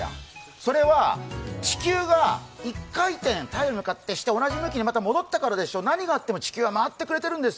それは地球が太陽に向かって１回転、同じ向きにまた戻ってくるからでしょ、何があっても地球は回ってくれてるんです。